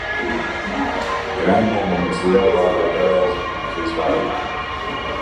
Grenholmam ir sieva vārdā Terēza un trīs bērni.